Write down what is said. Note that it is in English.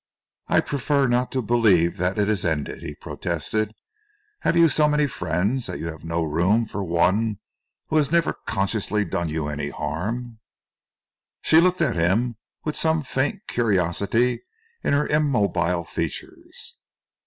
"I prefer not to believe that it is ended," he protested. "Have you so many friends that you have no room for one who has never consciously done you any harm?" She looked at him with some faint curiosity in her immobile features.